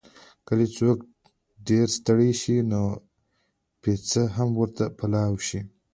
کله چې څوک ډېر ستړی شي، نو پېڅه هم ورته پلاو شي.